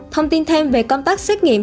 thông tin thêm về công tác xét nghiệm